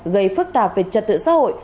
gây phức tạp về trật tự xã hội